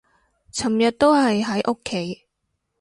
尋日都係喺屋企